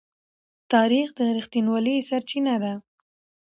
تاریخ د رښتینولۍ سرچینه ده.